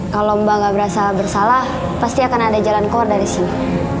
kalau mbak nggak berasa bersalah pasti akan ada jalan keluar dari sini